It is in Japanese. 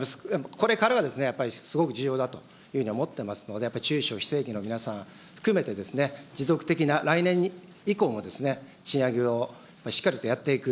これからはやっぱり、すごく重要だというふうに思っておりますので、中小、非正規の皆さん含めて、持続的な、来年以降も賃上げをしっかりとやっていく。